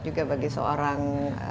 juga bagi seorang